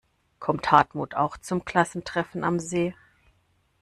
Kommt Hartmut auch zum Klassentreffen am See?